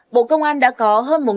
bộ công an đã có hơn một đồng